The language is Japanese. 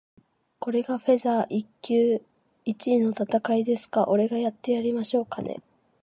これがフェザー級一位の戦いですか？俺がやってやりましょうかね。